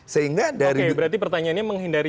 sehingga oke berarti pertanyaannya menghindari